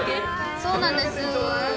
そうなんです。